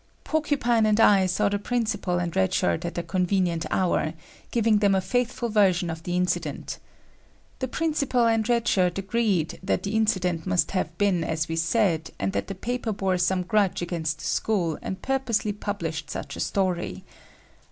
Porcupine and I saw the principal and Red Shirt at a convenient hour, giving them a faithful version of the incident. The principal and Red Shirt agreed that the incident must have been as we said and that the paper bore some grudge against the school and purposely published such a story.